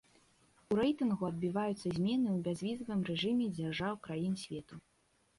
У рэйтынгу адбіваюцца змены ў бязвізавым рэжыме дзяржаў краін свету.